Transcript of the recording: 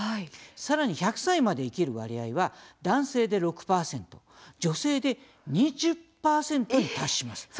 さらに１００歳まで生きる割合は男性で６％女性で２０％に達します。